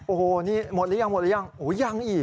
โอ้โฮหมดแล้วยังอย่างอีก